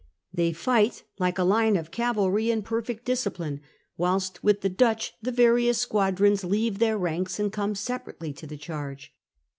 . they fight like a line of cavalry in perfect discipline ; whilst with the Dutch the various squadrons leave their ranks and come separately to the charge.